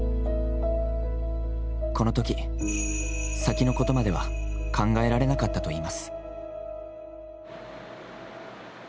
このとき、先のことまでは考えられなかったといいます。